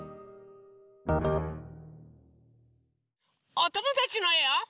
おともだちのえを。